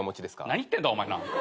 何言ってんだお前。